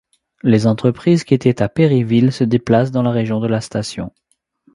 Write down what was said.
Les entreprises qui étaient à Perryville se déplacent dans la région de la station.